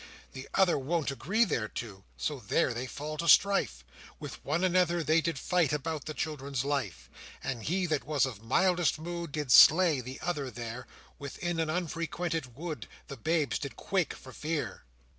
The other won't agree thereto, So there they fall to strife; With one another they did fight About the children's life; And he that was of mildest mood Did slay the other there, Within an unfrequented wood; The babes did quake for fear!